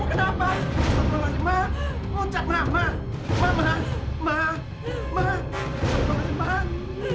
asal pembuktianmu minta maaf menantu saya kok untuk berhuning